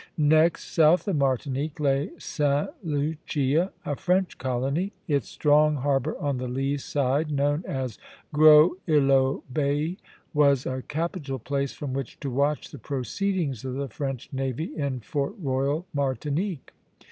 Next south of Martinique lay Sta. Lucia, a French colony. Its strong harbor on the lee side, known as Gros Ilot Bay, was a capital place from which to watch the proceedings of the French navy in Fort Royal, Martinique.